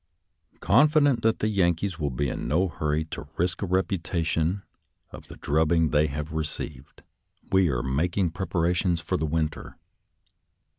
«•»«» Confident that the Yankees will be in no hurry to risk a repetition of the drubbing they have received, we are making preparations for the winter.